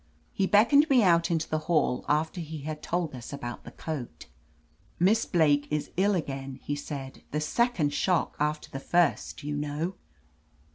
He beckoned me out into the hall after he had told us about the coat. "Miss Blake is ill again," he said. "The second shock, after the first, you know."